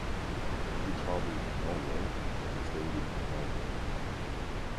He traveled to Norway and stayed in Molde.